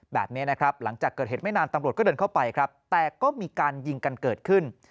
แบบนี้นะครับหลังจากเกิดเหตุไม่นานตำรวจก็เดินเข้าไปครับแต่ก็มีการยิงกันเกิดขึ้น